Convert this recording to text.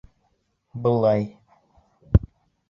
Былай: